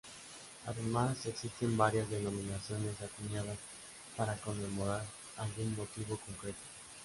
Además, existen varias denominaciones acuñadas para conmemorar algún motivo concreto.